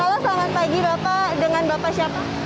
halo selamat pagi bapak dengan bapak siapa